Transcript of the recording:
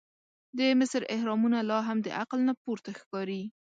د مصر احرامونه لا هم د عقل نه پورته ښکاري.